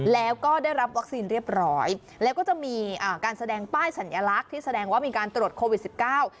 แล้วก็ได้รับวัคซีนเรียบร้อยแล้วก็จะมีการแสดงป้ายสัญลักษณ์ที่แสดงว่ามีการตรวจโควิดสิบเก้า